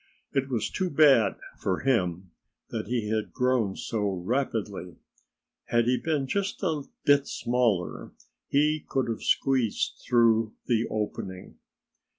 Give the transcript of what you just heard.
It was too bad for him that he had grown so rapidly. Had he been just a bit smaller he could have squeezed through the opening.